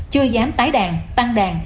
chưa dám tái đàn tăng đàn